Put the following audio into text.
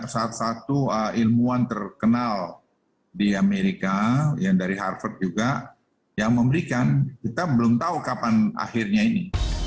satu satu ilmuwan terkenal di amerika yang dari harvard juga yang memberikan kita belum tahu kapan akhirnya ini